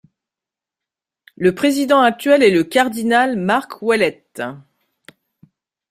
Le président actuel est le cardinal Marc Ouellet.